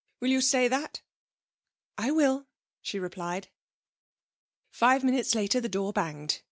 Will you say that?' 'I will,' she replied. Five minutes later the door banged.